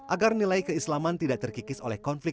agar nilai keislaman tidak terkikis oleh konflik